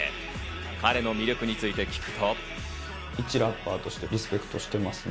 彼の魅力について聞くと。